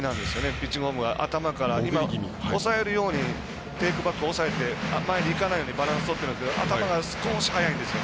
ピッチングフォームが頭からいかないようにテイクバック抑えて前にいかないようにバランスとってるんですけど頭が少し早いんですよ。